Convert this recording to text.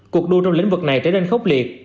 cuộc đua trong lĩnh vực này trở nên khốc liệt